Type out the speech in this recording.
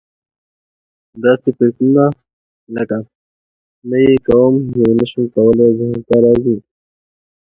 داسې فکرونه لکه: نه یې کوم یا نه یې شم کولای ذهن ته راځي.